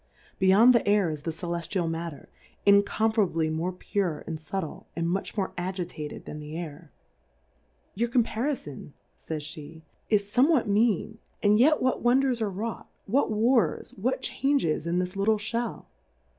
Be yond the Air is the Celeftial Matter, incomparably more pure and fubtle, and much more agitated than the Air., Your Compariibn, fa)'sf])e^ is fome what mean, and yet what Wonders are wrought, what Wars, what Changes in this little Shell